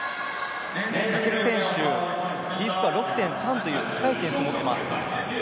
翔選手、Ｄスコア６．３という高い点数を持っています。